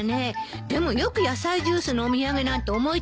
でもよく野菜ジュースのお土産なんて思い付いたわね。